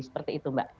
seperti itu mbak